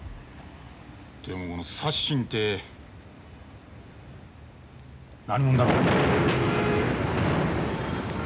でもサッシンって何者だろう？